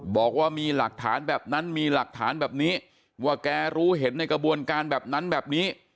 บอกว่ามีหลักฐานแบบนั้นมีหลักฐานแบบนี้ว่าแกรู้เห็นในกระบวนการแบบนั้นแบบนี้